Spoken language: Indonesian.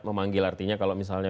memanggil artinya kalau misalnya